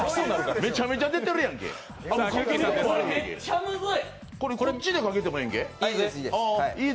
めちゃめちゃ出てるやんけ！